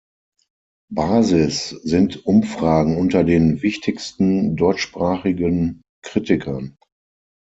Basis sind Umfragen unter den wichtigsten deutschsprachigen Kritikern.